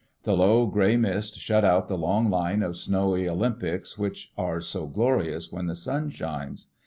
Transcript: The low, gray mist shut out the long line of snowy Olympics which are so glorious when the sun shines.